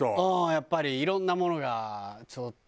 やっぱりいろんなものがちょっと。